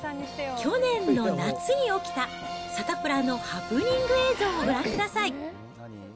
去年の夏に起きたサタプラのハプニング映像をご覧ください。